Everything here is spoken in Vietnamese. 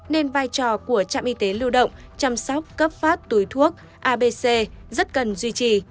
nên vai trò của trạm y tế lưu động chăm sóc cấp phát túi thuốc abc rất cần duy trì